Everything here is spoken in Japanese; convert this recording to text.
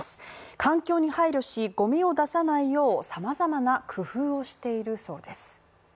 環境に配慮し、ゴミを出さないよう様々な工夫をしているそうです。